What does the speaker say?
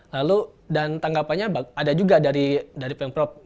lalu dan tanggapannya ada juga dari pemprov